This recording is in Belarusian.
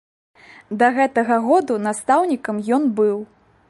Да гэтага году настаўнікам ён быў.